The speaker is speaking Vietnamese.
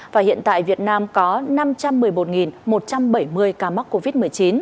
và hiện tại việt nam có năm trăm một mươi một một trăm bảy mươi ca mắc covid một mươi chín